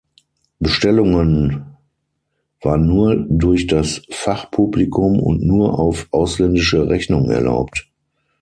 Bestellungen war nur durch das Fachpublikum und nur auf ausländische Rechnung erlaubt.